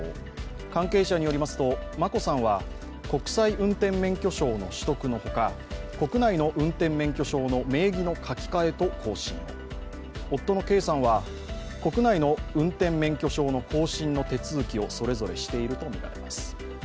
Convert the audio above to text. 関係者によりますと、眞子さんは国際運転免許証の取得のほか、国内の運転免許証の名義の書き換えと更新夫の圭さんは、国内の運転免許証の更新の手続きをそれぞれしているとみられます。